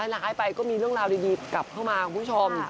ร้ายไปก็มีเรื่องราวดีกลับเข้ามาคุณผู้ชม